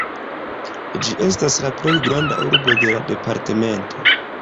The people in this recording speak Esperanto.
Ĝi estas la plej granda urbo de la departemento.